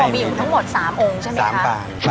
มีทั้งหมด๓องค์ใช่ไหมครับ